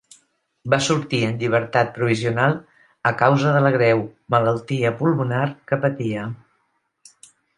Va sortir en llibertat provisional, a causa de la greu malaltia pulmonar que patia.